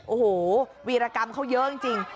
โอ้โหวีรกรรมเขาเยอะจริง